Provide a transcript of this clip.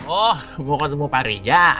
oh mau ketemu pak riza